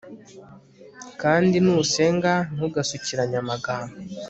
kandi nusenga, ntugasukiranye amagambo